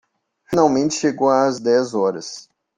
Finalmente chegou às dez horas